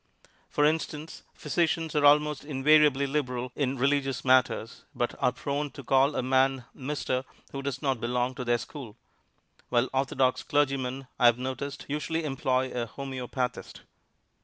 For instance, physicians are almost invariably liberal in religious matters, but are prone to call a man "Mister" who does not belong to their school; while orthodox clergymen, I have noticed, usually employ a homeopathist.